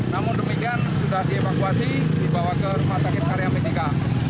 namun demikian sudah dievakuasi dibawa ke rumah sakit karya medika